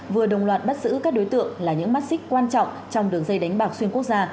vừa đồng loạt bắt giữ các đối tượng là những mắt xích quan trọng trong đường dây đánh bạc xuyên quốc gia